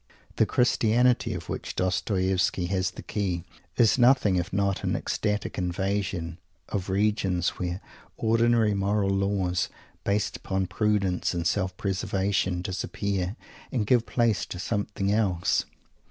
The "Christianity" of which Dostoievsky has the key is nothing if not an ecstatic invasion of regions where ordinary moral laws, based upon prudence and self preservation, disappear, and give place to something else.